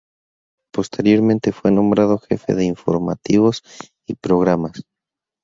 Posteriormente fue nombrado jefe de Informativos y Programas.